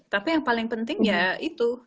tapi yang paling penting ya itu